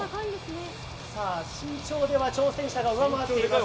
身長では挑戦者が上回っています。